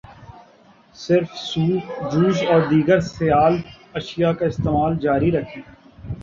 صرف soup, juice, اور دیگر سیال اشیاء کا استعمال جاری رکھیں